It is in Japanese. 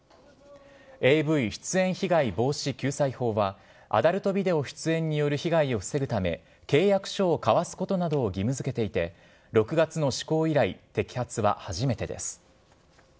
ＡＶ出演被害防止・救済法は、アダルトビデオ出演による被害を防ぐため、契約書を交わすことなどを義務づけていて、６月の施行以来、摘発は初めてです。